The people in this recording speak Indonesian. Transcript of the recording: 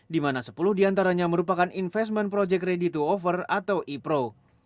di mana sepuluh di antaranya merupakan investment project ready to offer atau ipro